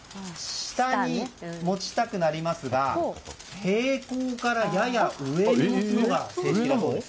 下に持ちたくなりますが平行からやや上に持つんだそうです。